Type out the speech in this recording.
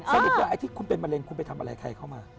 อ้าวคุณเป็นมะเร็งคุณไปทำอะไรใครเข้ามา